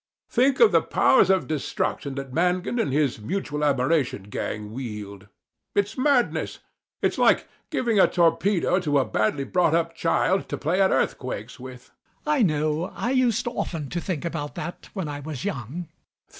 Think of the powers of destruction that Mangan and his mutual admiration gang wield! It's madness: it's like giving a torpedo to a badly brought up child to play at earthquakes with. MAZZINI. I know. I used often to think about that when I was young.